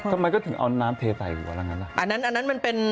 ทำไมก็ถึงเอาน้ำเทใส่หัวแล้วงั้นล่ะอันนั้นอันนั้นมันเป็น